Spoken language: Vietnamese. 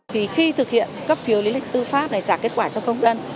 thì khi thực hiện cấp phiếu lý lịch tư pháp này trả kết quả cho công dân